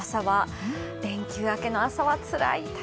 連休明けの朝はつらい。